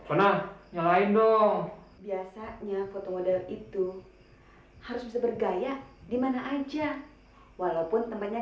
ya pernah nyalain dong biasanya fotomodel itu harus bergaya dimana aja walaupun tempatnya